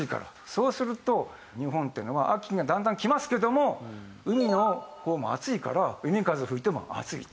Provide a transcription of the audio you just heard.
そうすると日本っていうのは秋がだんだん来ますけども海の方も暑いから海風吹いても暑いと。